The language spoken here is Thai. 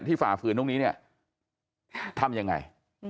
ที่ฝ่าฝืนตรงนี้ทำอย่างไร